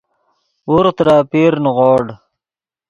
ورغ ترے اپیر نیغوڑ